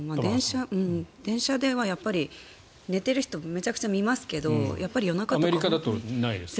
電車ではやっぱり寝てる人めちゃくちゃ見ますけどアメリカだとないですか？